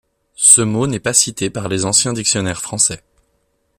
Ce mot n'est pas cité par les anciens dictionnaires français.